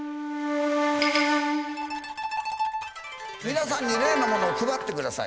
皆さんに例のものを配ってください。